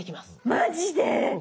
マジで！